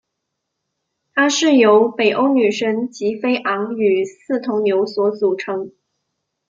它是由北欧女神吉菲昂与四头牛所组成。